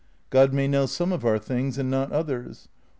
God may know some of our things and not others.